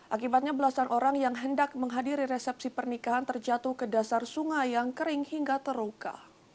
akibatnya belasan orang yang hendak menghadiri resepsi pernikahan terjatuh ke dasar sungai yang kering hingga terluka